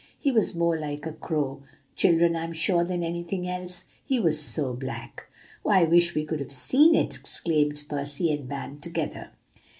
"He was more like a crow, children, I'm sure, than anything else, he was so black." "Oh, how I wish we could have seen it!" exclaimed Percy and Van together.